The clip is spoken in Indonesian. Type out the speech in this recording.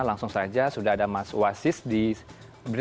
langsung saja sudah ada mas wasis di bri